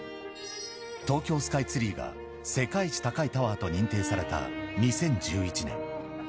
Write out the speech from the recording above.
東京スカイツリーが世界一高いタワーと認定された２０１１年。